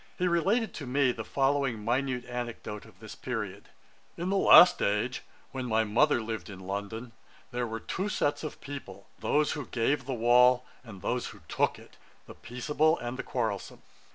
He related to me the following minute anecdote of this period: 'In the last age, when my mother lived in London, there were two sets of people, those who gave the wall, and those who took it; the peaceable and the quarrelsome.